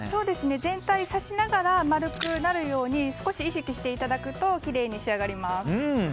全体を挿しながら丸くなるように少し意識していただくときれいに仕上がります。